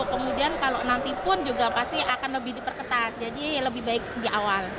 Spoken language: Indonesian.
kemudian kalau nanti pun juga pasti akan lebih diperketat jadi lebih baik di awal